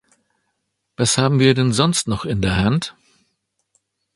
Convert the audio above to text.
Was haben wir denn sonst noch in der Hand?